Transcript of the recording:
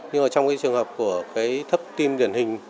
nhưng trong trường hợp của thấp tim điển hình